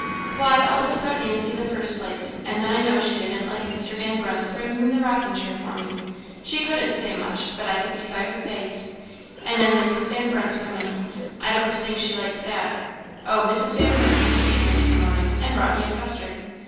"Why, all this about Nancy in the first place; and then I know she didn't like Mr. Van Brunt's bringing the rocking chair for me she couldn't say much, but I could see by her face. And then Mrs. Van Brunt's coming I don't think she liked that. Oh, Mrs. Van Brunt came to see me this morning, and brought me a custard.